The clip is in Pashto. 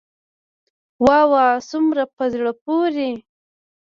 واه واه څومره په زړه پوري.